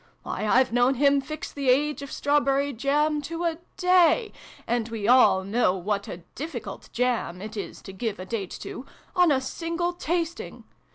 Why, I've known him fix the age of strawberry jam, to a day and we all know what a difficult jam it is to give a date to on a single tasting